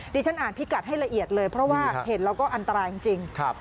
ดิฉันอ่านพิกัดให้ละเอียดเลยเพราะว่าเห็นแล้วก็อันตรายจริง